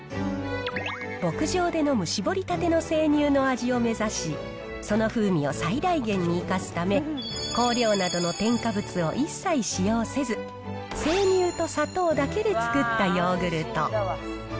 牧場で飲む搾りたての生乳の味を目指し、その風味を最大限に生かすため、香料などの添加物を一切使用せず、生乳と砂糖だけで作ったヨーグルト。